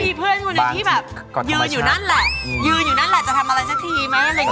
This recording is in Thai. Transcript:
มีเพื่อนคนหนึ่งที่แบบยืนอยู่นั่นแหละยืนอยู่นั่นแหละจะทำอะไรสักทีไหมอะไรอย่างนี้